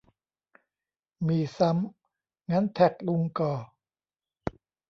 มีซ้ำ งั้นแท็กลุงก่อ